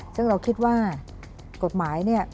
ซึ่งเราคิดว่ากฎหมายเนี่ย